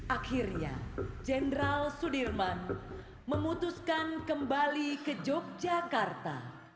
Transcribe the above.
akhirnya jenderal sudirman memutuskan kembali ke yogyakarta